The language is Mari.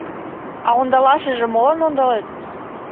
А ондалашыже молан ондалет?